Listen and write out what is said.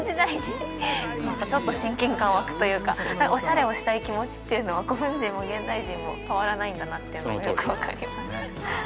何かちょっと親近感湧くというかオシャレをしたい気持ちっていうのは古墳人も現代人も変わらないんだなっていうのがよく分かります